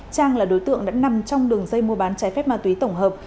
trang là đối tượng đã nằm trong đường dây mua bán trái phép ma túy tổng hợp